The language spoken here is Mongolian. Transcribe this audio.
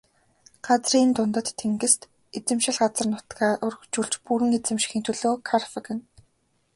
Газрын дундад тэнгист эзэмшил газар нутгаа өргөжүүлж бүрэн эзэмшихийн төлөө Карфаген.